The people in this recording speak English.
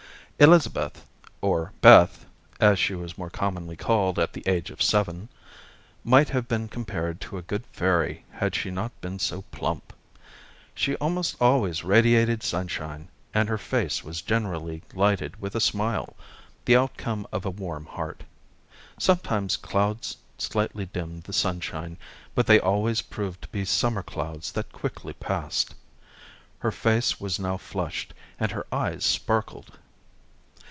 Elizabeth, or Beth, as she was more commonly called at the age of seven, might have been compared to a good fairy had she not been so plump. She almost always radiated sunshine, and her face was generally lighted with a smile, the outcome of a warm heart. Sometimes clouds slightly dimmed the sunshine, but they always proved to be summer clouds that quickly passed. Her face was now flushed, and her eyes sparkled.